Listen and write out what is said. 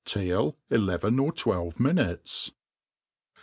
Taul eleven or twelve mi nutes.